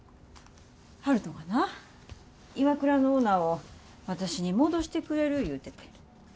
悠人がなＩＷＡＫＵＲＡのオーナーを私に戻してくれる言うてて。